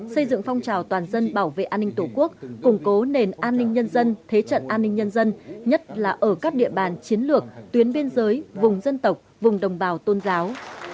xây dựng phong trào toàn dân bảo vệ an ninh tổ quốc củng cố nền an ninh nhân dân thế trận an ninh nhân dân nhất là ở các địa bàn chiến lược tuyến biên giới vùng dân tộc vùng đồng bào tôn giáo